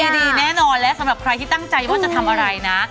ดีแน่นอนและสำหรับใครที่ตั้งใจว่าจะทำอะไรนะ